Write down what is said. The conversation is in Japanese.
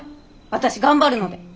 私頑張るので！